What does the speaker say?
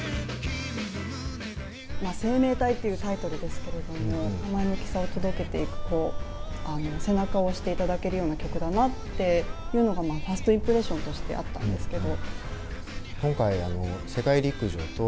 「生命体」というタイトルですけれども、前向きさを届けて、背中を押していただけるような曲だなっていうのが、ファーストインプレッションとしてあったんですけど。